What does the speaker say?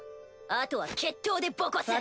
あとは決闘でボコす。